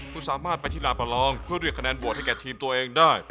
คุณสามารถไปที่ลาประลองเพื่อเรียกคะแนนโหวตให้แก่ทีมตัวเองได้